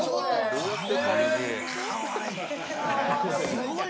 すごーい。